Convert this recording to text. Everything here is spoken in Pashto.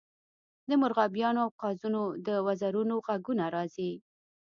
د مرغابیانو او قازونو د وزرونو غږونه راځي